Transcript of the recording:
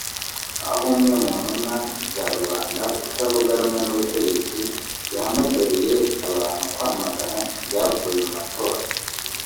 aho umwe mu ntumwa za rubanda utavuga rumwe n’ubutegetsi yahamagariye abantu kwamagana ibyavuye mu matora